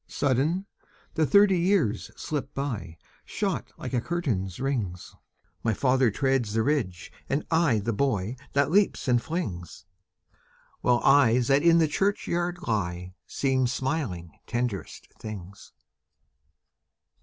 Sudden, the thirty years slip by, Shot like a curtain's rings ! My father treads the ridge, and I The boy that leaps and flings, While eyes that in the churchyard lie Seem smiling tenderest things.